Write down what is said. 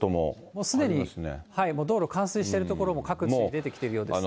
もうすでに道路冠水している所も各地で出てきているようですね。